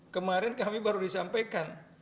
kemarin kami baru disampaikan